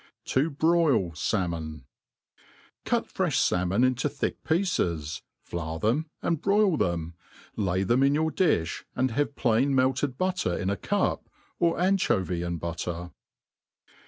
To. broil Salmon. CUT frefli falmon into thick pieces, flour them and broil them, lay them in your difli, and have plaia inelted butter in ja cup, or anchovy and butter.